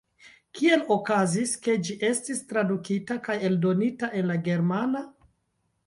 Kiel okazis, ke ĝi estis tradukita kaj eldonita en la germana?